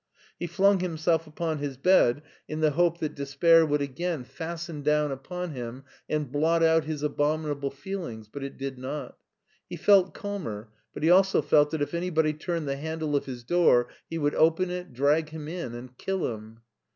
He flung himself upon his bed in the hope 230 MARTIN SCHULER that despair would again fasten down upon him and blot out his abominable feelings, but it did not. He felt calmer, but he also felt that if anybody turned the handle of his door he would open it, drag him in, and kill him.